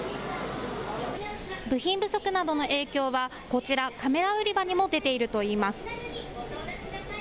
部品不足などの影響は、こちら、カメラ売り場にも出ているといいます。